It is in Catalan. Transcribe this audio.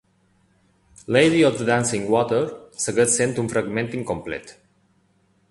"Lady Of The Dancing Water" segueix sent un fragment incomplet.